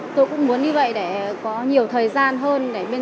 tôi cũng muốn như vậy để có nhiều thời gian hơn